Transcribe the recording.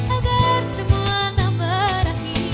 agar semua tak berakhir